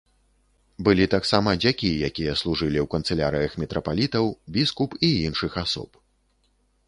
Былі таксама дзякі якія служылі ў канцылярыях мітрапалітаў, біскуп і іншых асоб.